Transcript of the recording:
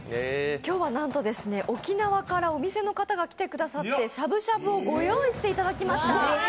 今日はなんと沖縄からお店の方が来てくださってしゃぶしゃぶをご用意していただきました。